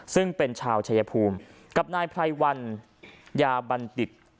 ซึ่งเป็นชาวชายภูมิกับนายไพรวันยาบัณฑิต